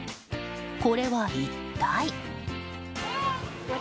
これは一体？